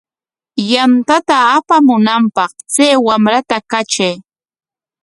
Yantata apamunanpaq chay wamrata katray.